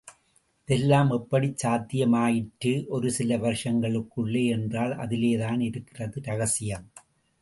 இதெல்லாம் எப்படிச் சாத்தியம் ஆயிற்று ஒரு சில வருஷங்களுக்குள்ளே என்றால் அதிலேதான் இருக்கிறது ரகசியம்.